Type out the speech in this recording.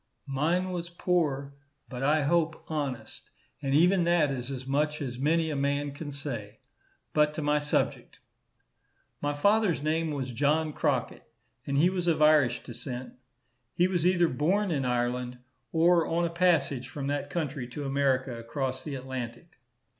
Mine was poor, but I hope honest, and even that is as much as many a man can say. But to my subject. My father's name was John Crockett, and he was of Irish descent. He was either born in Ireland or on a passage from that country to America across the Atlantic.